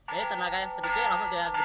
jadi tenaga yang sedikit langsung jadi gede